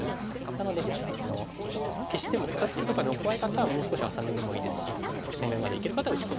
なので消しでも肩ツキとかでも怖い方はもう少し浅めでもいいですし打ち込みまでいける方は打ち込み。